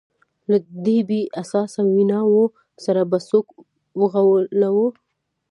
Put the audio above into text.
له دې بې اساسه ویناوو سره به څوک وغولوو.